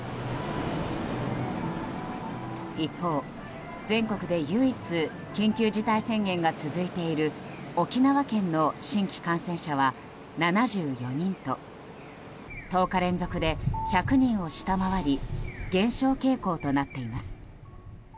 一方、全国で唯一緊急事態宣言が続いている沖縄県の新規感染者は７４人と１０日連続で１００人を下回り減少傾向となっています。